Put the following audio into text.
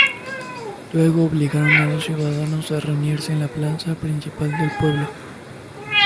Luego obligaron a los ciudadanos a reunirse en la plaza principal del pueblo.